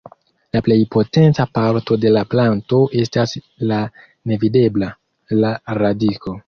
La plej potenca parto de la planto estas la nevidebla: la radiko.